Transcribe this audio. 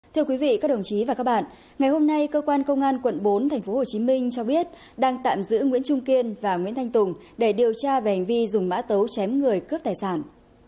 thưa quý vị các đồng chí và các bạn ngày hôm nay cơ quan công an quận bốn tp hcm cho biết đang tạm giữ nguyễn trung kiên và nguyễn thanh tùng để điều tra về hành vi dùng mã tấu chém người cướp tài sản